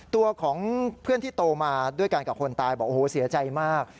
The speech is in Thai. ตัวของเพื่อนที่โตมาด้วยกันกับคนตายบอกโอ้โหเสียใจมาก